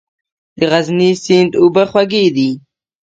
د غزني سیند اوبه خوږې دي؟